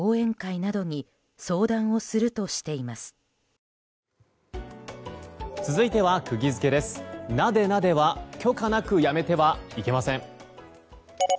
なでなでは許可なくやめてはいけません。